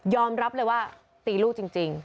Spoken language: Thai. รับเลยว่าตีลูกจริง